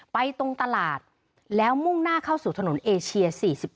ตรงตลาดแล้วมุ่งหน้าเข้าสู่ถนนเอเชีย๔๒